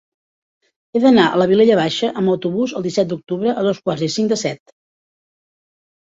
He d'anar a la Vilella Baixa amb autobús el disset d'octubre a dos quarts i cinc de set.